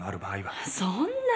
そんな。